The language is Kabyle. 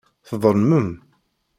Tḍelmem.